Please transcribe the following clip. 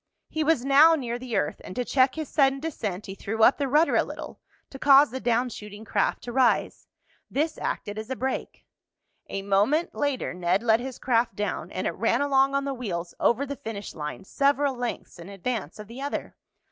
He was now near the earth, and to check his sudden descent he threw up the rudder a little, to cause the down shooting craft to rise. This acted as a brake. A moment later Ned let his craft down, and it ran along on the wheels over the finish line, several lengths in advance of the other.